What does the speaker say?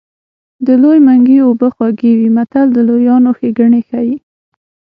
د لوی منګي اوبه خوږې وي متل د لویانو ښېګڼې ښيي